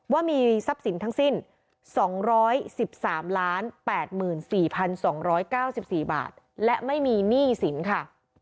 ว่ามีทรัพย์สินทั้งสิ้น๒๑๓๘๔๒๙๔บาทและไม่มีหนี้สินค่ะ